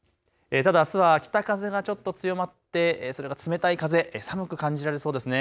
ただあすは北風がちょっと強まって、冷たい風、寒く感じられそうですね。